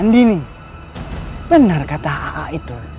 andi nih benar kata aa itu